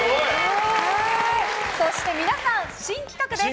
そして皆さん、新企画です。